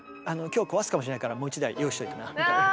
「今日壊すかもしれないからもう１台用意しといてな」みたいな。